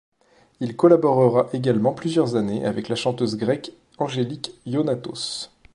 Il collaborera également plusieurs années avec la chanteuse grecque Angélique Ionatos.